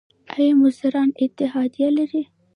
آیا مزدوران اتحادیه لري؟